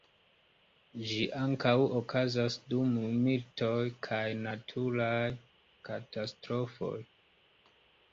Ĝi ankaŭ okazas dum militoj kaj naturaj katastrofoj.